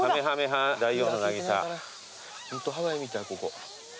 ホントハワイみたいここ。